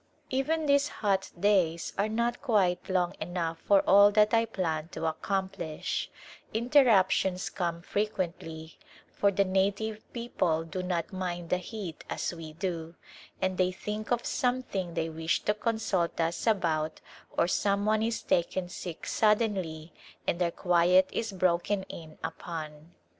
Even these hot days are not quite long enough for all that I plan to accomplish ; interruptions come frequently, for the native people do not mind the heat First Hot Season as we do, and they think of something they wish to consult us about or some one is taken sick suddenly and our quiet is broken in upon.